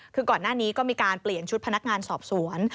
คือก่อนหน้านี้ก็มีการเปลี่ยนชุดพนักงานสอบสวน